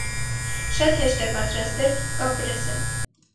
Շատ հեշտ է պատրաստել կապրեզե։